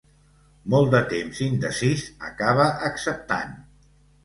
Molt de temps indecís, acaba acceptant.